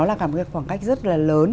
là một khoảng cách rất là lớn